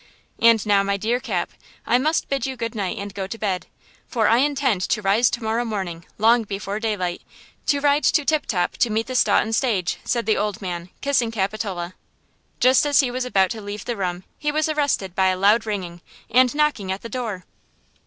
And now, my dear Cap, I must bid you good night and go to bed, for I intend to rise to morrow morning long before daylight, to ride to Tip Top to meet the Staunton stage," said the old man, kissing Capitola. Just as he was about to leave the room he was arrested by a loud ringing and knocking at the door.